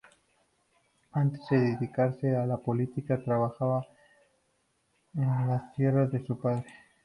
Antes de dedicarse a la política trabajaba en las tierras de su padre.